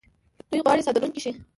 دوی غواړي صادرونکي شي.